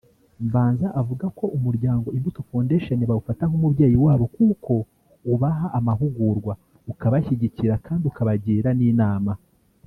Mbanza avuga ko Umuryango Imbuto Foundation bawufata nk’umubyeyi wabo kuko ubaha amahugurwa ukabashyigikira kandi ukabagira n’inama